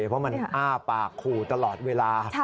เพราะมันอ้าปากขู่ตลอดเวลา